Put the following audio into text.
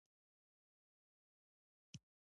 د توپخانې شاته تللې لار هم په واورو کې پټه شوه.